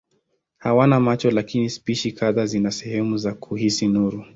Hawana macho lakini spishi kadhaa zina sehemu za kuhisi nuru.